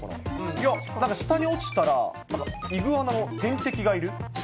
いや、なんか下に落ちたら、イグアナの天敵がいる？